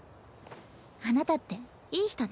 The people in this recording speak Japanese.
あなたっていい人ね。